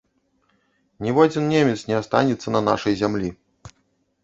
Ніводзін немец не астанецца на нашай зямлі!